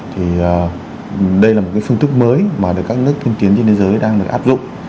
thì đây là một phương thức mới mà các nước tiến tiến trên thế giới đang được áp dụng